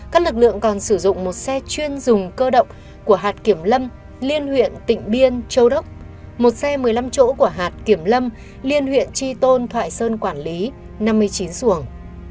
các lực lượng còn sử dụng một xe chuyên dùng cơ động của hạt kiểm lâm liên huyện tỉnh biên châu đốc một xe một mươi năm chỗ của hạt kiểm lâm liên huyện tri tôn thoại sơn quản lý năm mươi chín xuồng